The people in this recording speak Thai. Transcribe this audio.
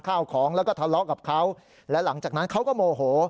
ข้าวของแล้วก็ทะเลาะกับเขาและหลังจากนั้นเขาก็โมโห